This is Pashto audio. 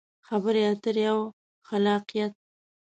خبرې اترې او خلاقیت: